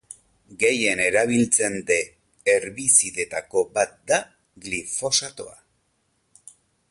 Gehien erabiltzen de herbizidetako bat da glifosatoa.